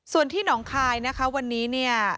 ส่วนที่หนองคายนะคะวันนี้เนี่ย